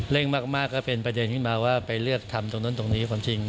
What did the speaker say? ่งมากก็เป็นประเด็นขึ้นมาว่าไปเลือกทำตรงนั้นตรงนี้ความจริง